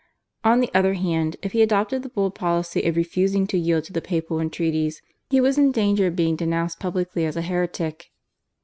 On the other hand, if he adopted the bold policy of refusing to yield to the papal entreaties he was in danger of being denounced publicly as a heretic.